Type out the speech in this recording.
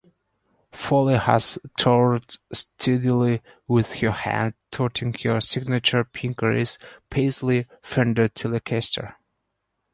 Foley has toured steadily with her band, toting her signature pink paisley Fender Telecaster.